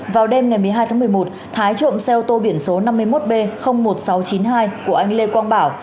vào đêm ngày một mươi hai tháng một mươi một thái trộm xe ô tô biển số năm mươi một b một nghìn sáu trăm chín mươi hai của anh lê quang bảo